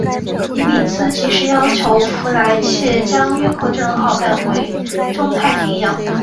尼米兹即时要求弗莱彻将约克镇号带回中太平洋。